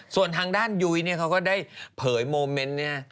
ส่วนทางด้านยุ้ยเนี่ยเขาก็ได้เผยโมเมนต์เนี่ย